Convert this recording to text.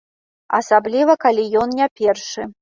Асабліва, калі ён не першы.